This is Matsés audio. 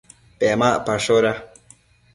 Pemacpashoda